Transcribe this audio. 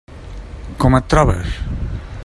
Com et trobes?